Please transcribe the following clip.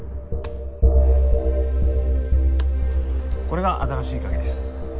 これが新しい鍵です。